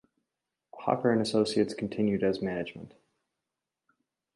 Hocker and Associates continued as management.